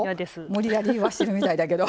無理やり言わしてるみたいだけど。